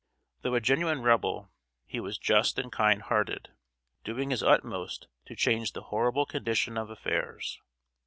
Though a genuine Rebel, he was just and kind hearted, doing his utmost to change the horrible condition of affairs.